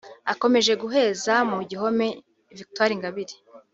Akomeje guheza mu gihome Victoire Ingabire